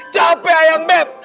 capek ayang beb